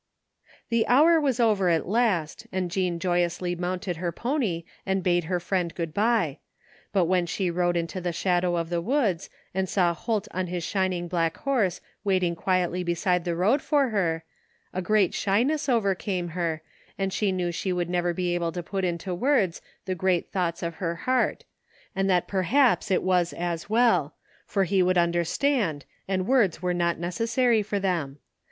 The hour was over at last and Jean joyously motmted her pony and bade her friend good bye; but when she rode into the shadow of the woods and saw Holt on his shining black horse waiting quietly beside the road for her, a great shyness overcame her, and she knew she would never be able to put into words the great thoughts of her heart, and that perhaps it was as well ; for he would imderstand and words were not necessary for them.